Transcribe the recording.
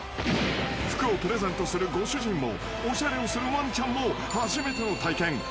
［服をプレゼントするご主人もおしゃれをするワンチャンも初めての体験］